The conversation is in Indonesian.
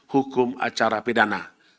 hukum acara pidana